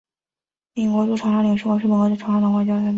美国驻长沙领事馆是美国在长沙的外交代表机构。